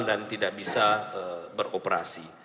dan tidak bisa beroperasi